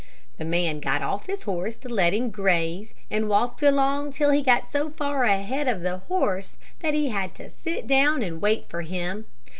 The man got off his horse to let him graze, and walked along till he got so far ahead of the horse that he had to sit down and wait for him.